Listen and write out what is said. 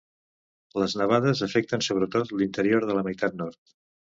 Les nevades afecten sobretot l’interior de la meitat nord.